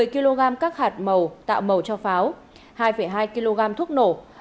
một mươi kg các hạt màu tạo màu cho pháo hai hai kg thuốc nổ